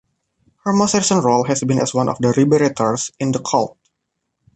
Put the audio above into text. Her most recent role has been as one of the "Liberators" in "The Cult".